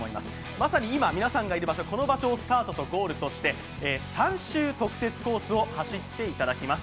まさに今皆さんがいる場所をスタートとゴールをして３周特設コースを走っていただきます。